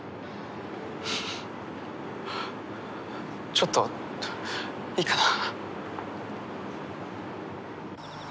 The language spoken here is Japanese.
ちょっといいかな。